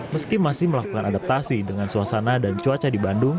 meski masih melakukan adaptasi dengan suasana dan cuaca di bandung